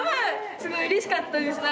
すごいうれしかったです。